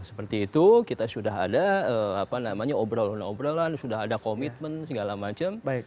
seperti itu kita sudah ada obrolan obrolan sudah ada komitmen segala macam